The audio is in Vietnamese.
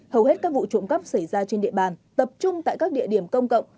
hầu hết các vụ trộm cắp xảy ra trên địa bàn tập trung tại các địa điểm công cộng